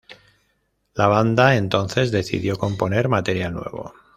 La banda, entonces, decidió componer material nuevo.